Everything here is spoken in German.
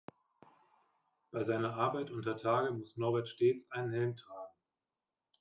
Bei seiner Arbeit untertage muss Norbert stets einen Helm tragen.